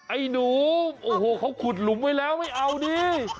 ไอ้หนูโอ้โหเขาขุดหลุมไว้แล้วไม่เอาดิ